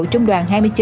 trung đoàn hai mươi chín